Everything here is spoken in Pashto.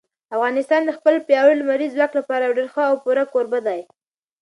افغانستان د خپل پیاوړي لمریز ځواک لپاره یو ډېر ښه او پوره کوربه دی.